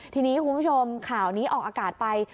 ทีนี้คุณผู้ชมข่าวนี้ออกอากาศไป